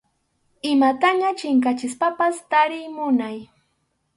Imataña chinkachispapas tariy munay.